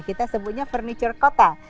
kita sebutnya furniture kota